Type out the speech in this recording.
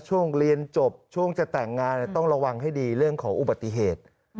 ช่วงเรียนจบช่วงจะแต่งงานต้องระวังให้ดีเรื่องของอุบัติเหตุ